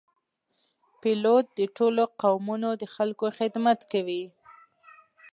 پیلوټ د ټولو قومونو د خلکو خدمت کوي.